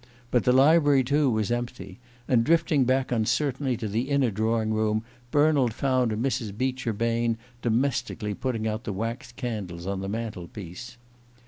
But the library too was empty, and drifting back uncertainly to the inner drawing room Bernald found Mrs. Beecher Bain domestically putting out the wax candles on the mantel piece.